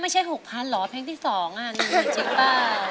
ไม่ใช่๖๐๐๐รอเพลงที่๒นี่จริงป้ะ